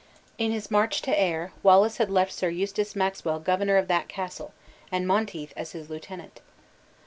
In his march to Ayr, Wallace had left Sir Eustace Maxwell governor of that castle, and Monteith as his lieutenant.